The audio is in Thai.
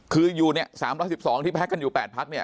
คืออยู่เนี่ย๓๑๒ที่พักกันอยู่๘พักเนี่ย